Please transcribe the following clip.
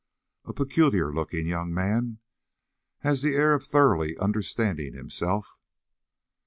"A peculiar looking young man; has the air of thoroughly understanding himself."